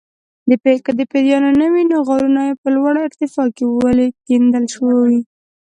که د پیریانو نه وي نو غارونه په لوړه ارتفاع کې ولې کیندل شوي.